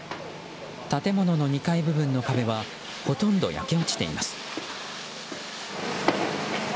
建物の２階部分の壁はほとんど焼け落ちています。